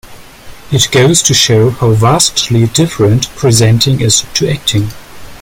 It goes to show how vastly different presenting is to acting.